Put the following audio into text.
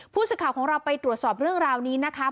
ผู้สื่อข่าวของเราไปตรวจสอบเรื่องราวนี้นะคะ